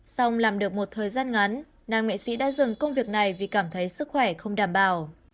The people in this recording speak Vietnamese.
xong làm được một thời gian ngắn nam nghệ sĩ đã dừng công việc này vì cảm thấy sức khỏe không đảm bảo